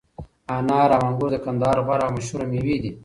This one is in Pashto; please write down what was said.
انار او انګور د کندهار غوره او مشهوره مېوې دي